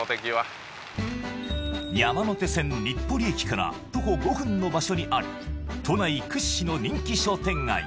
山手線日暮里駅から徒歩５分の場所にある都内屈指の人気商店街